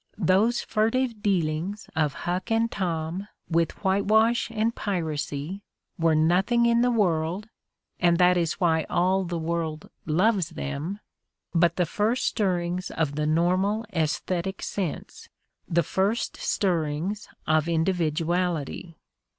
Those furtive dealings of Huck and Tom with whitewash and piracy were nothing in the world — and that is why aU the world loves them — ^but the first stirrings of the nor mal aesthetic sense, the first stirrings of individuality.